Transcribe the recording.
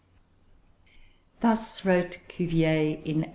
Thus wrote Cuvier in 1828.